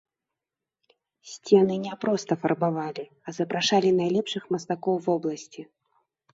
Сцены не проста фарбавалі, а запрашалі найлепшых мастакоў вобласці.